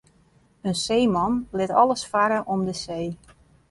In seeman lit alles farre om de see.